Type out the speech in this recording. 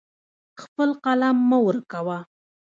خپل قلم مه ورکوه.